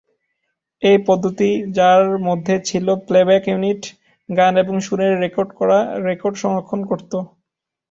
এই পদ্ধতি, যার মধ্যে ছিল প্লেব্যাক ইউনিট, গান এবং সুরের রেকর্ড সংরক্ষণ করত।